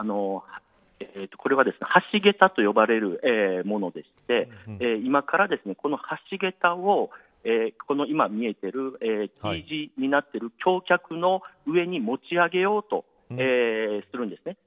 これは橋げたと呼ばれるものでして今から、この橋げたを今見えているＴ字になっている橋脚の上に持ち上げようとするんです。